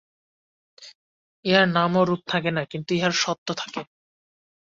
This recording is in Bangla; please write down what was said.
ইহার নাম ও রূপ থাকে না, কিন্তু ইহার সত্ত্ব থাকে।